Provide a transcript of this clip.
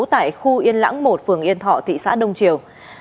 tại khu yên lãng một phường yên thọ thị xã đông triều